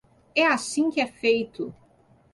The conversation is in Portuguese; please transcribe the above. É assim que é feito!